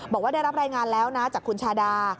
บอกว่าได้รับรายงานแล้วนะจากคุณชาดา